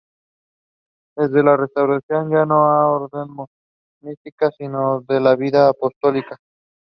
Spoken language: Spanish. Desde la restauración ya no es una orden monástica, sino de vida apostólica.